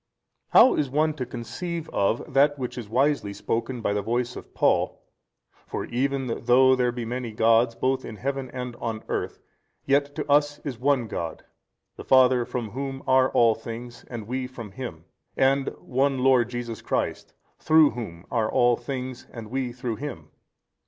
How is one to conceive of that which is wisely spoken by voice of Paul, For even though there be many gods both in heaven and on earth yet to us is One God the Father from Whom are all things and we from Him, and One Lord Jesus Christ through Whom are all things and we through Him?